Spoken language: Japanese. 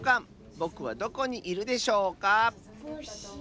ぼくはどこにいるでしょうか？